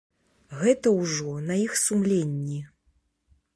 Гэта ўжо на іх сумленні.